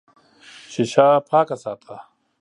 شیشه پاکه ساته.